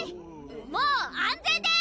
もう安全です！